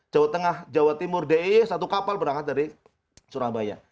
jawa tengah jawa timur dee satu kapal berangkat dari surabaya